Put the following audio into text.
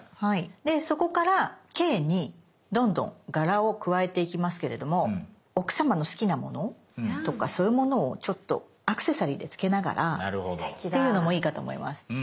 でそこから「Ｋ」にどんどん柄を加えていきますけれども奥様の好きなものとかそういうものをちょっとアクセサリーでつけながらっていうのもいいかと思います。